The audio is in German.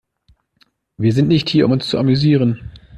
Wir sind nicht hier, um uns zu amüsieren.